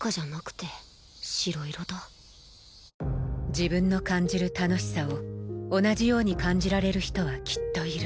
自分の感じる楽しさを同じように感じられる人はきっといる